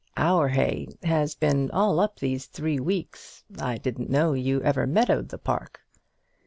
Our hay has been all up these three weeks. I didn't know you ever meadowed the park."